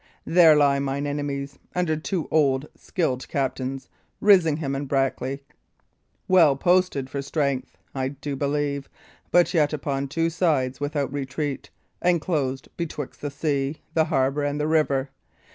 There lie mine enemies, under two old, skilled captains Risingham and Brackley well posted for strength, I do believe, but yet upon two sides without retreat, enclosed betwixt the sea, the harbour, and the river.